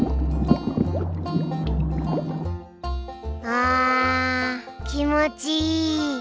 あ気持ちいい！